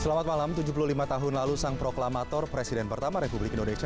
selamat malam tujuh puluh lima tahun lalu sang proklamator presiden pertama republik indonesia